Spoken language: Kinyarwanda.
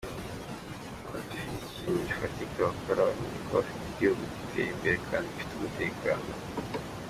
"Abadafite ikintu gifatika bakora bamenye ko bafite igihugu gitera imbere kandi gifite umutekano.